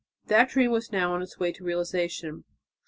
That dream was now on its way to realization.